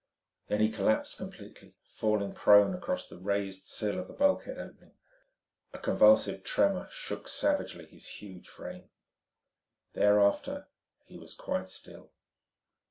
Then he collapsed completely, falling prone across the raised sill of the bulkhead opening. A convulsive tremor shook savagely his huge frame. Thereafter he was quite still.